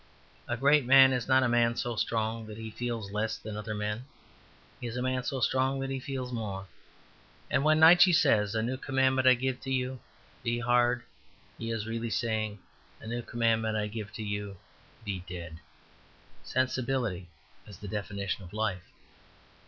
A great man is not a man so strong that he feels less than other men; he is a man so strong that he feels more. And when Nietszche says, "A new commandment I give to you, 'be hard,'" he is really saying, "A new commandment I give to you, 'be dead.'" Sensibility is the definition of life.